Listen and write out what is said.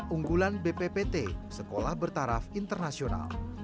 unggulan bppt sekolah bertaraf internasional